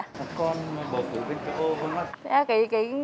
con bầu thủ bên chỗ goldmark